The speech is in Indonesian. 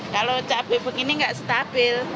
kalau cabai begini nggak stabil